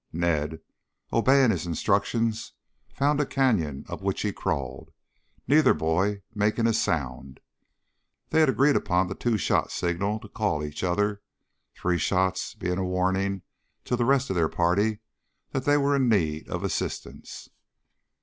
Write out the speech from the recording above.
Ned, obeying his instructions, found a canyon up which he crawled, neither boy making a sound. They had agreed upon the two shot signal to call each other, three shots being a warning to the rest of their party that they were in need of assistance.